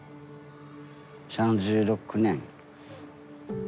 ３６年。